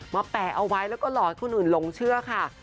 แปะเอาไว้แล้วก็หลอกให้คนอื่นหลงเชื่อค่ะ